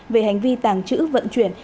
về hành vi tàng trữ vận chuyển